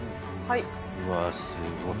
うわー、すごい。